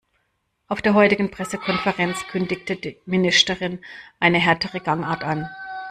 Auf der heutigen Pressekonferenz kündigte die Ministerin eine härtere Gangart an.